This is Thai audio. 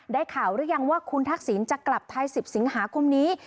ได้ข่าวหรือยังว่าคุณทักษิณจะกลับไทย๑๐สิงหาคมนี้